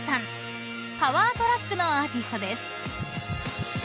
［パワートラックのアーティストです］